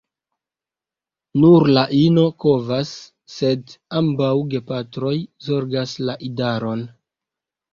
Nur la ino kovas, sed ambaŭ gepatroj zorgas la idaron.